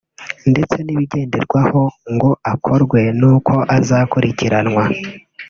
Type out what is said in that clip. ndetse n’ibizagenderwaho ngo akorwe n’uko azakurikiranwa